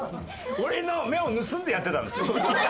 俺の目を盗んでやってたんですよ。